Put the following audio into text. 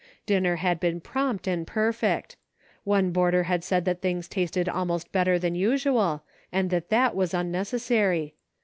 Dinner had been prompt and perfect. One boarder had said that things tasted almost better than usual, and that that was unnecessary.